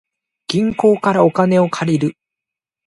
銀行からお金を借りる